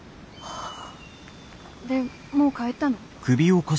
でもう帰ったの？